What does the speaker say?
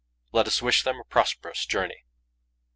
Let us wish them a prosperous journey.